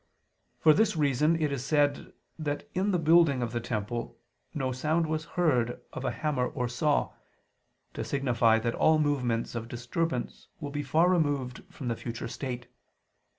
For this reason it is said that in the building of the temple no sound was heard of hammer or saw, to signify that all movements of disturbance will be far removed from the future state.